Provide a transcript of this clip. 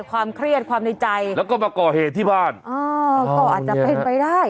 ความเครียดความในใจแล้วก็มาก่อเหตุที่บ้านอ๋อก็อาจจะเป็นไปได้